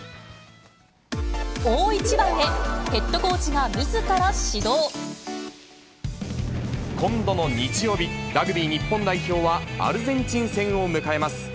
大一番へ、今度の日曜日、ラグビー日本代表はアルゼンチン戦を迎えます。